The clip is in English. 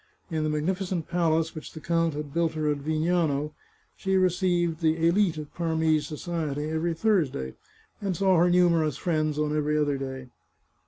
In the mag nificent palace which the count had built her at Vignano, she received the elite of Parmese society every Thursday, and saw her numerous friends on every other day.